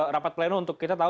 rapat pleno untuk kita tahu